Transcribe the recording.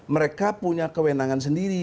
mereka punya kewenangan sendiri